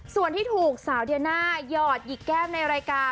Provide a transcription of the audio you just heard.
ส่วนที่ถูกสาวเดียน่าหยอดหยิกแก้มในรายการ